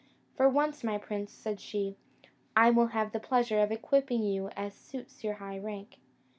"For once, my prince," said she, "I will have the pleasure of equipping you as suits your high rank."